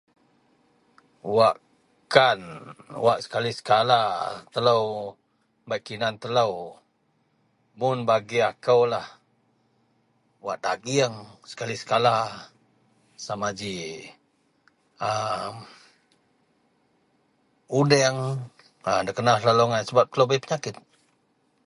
wakan wak sekali sekala telou bak kinan telou, mun bagi akoulah, wak daging sekali sekala, sama ji a mm udang da kena selalu agai sebab telou bei penyakit